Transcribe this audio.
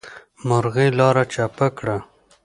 مرغۍ لاره چپه کړه.